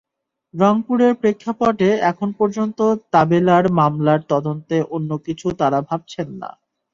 রংপুরের প্রেক্ষাপটে এখন পর্যন্ত তাবেলার মামলার তদন্তে অন্য কিছু তাঁরা ভাবছেন না।